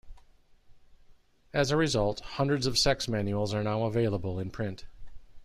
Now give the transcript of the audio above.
As a result, hundreds of sex manuals are now available in print.